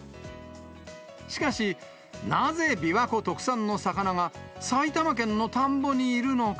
しかし、なぜ琵琶湖特産の魚が、埼玉県の田んぼにいるのか。